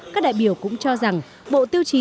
các đại biểu cũng cho rằng bộ tiêu chí